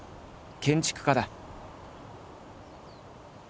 建築家だ。